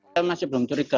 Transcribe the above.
saya masih belum curiga